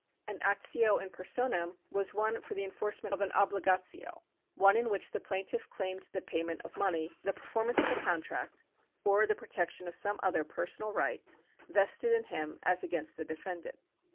An actio in personam was one for the enforcement of an ohligatio ; one in which the plaintiff claimed the payment of money, the performance of a contract, or the protection of some other personal right vested in him as against the defendant.